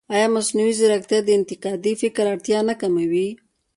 ایا مصنوعي ځیرکتیا د انتقادي فکر اړتیا نه کموي؟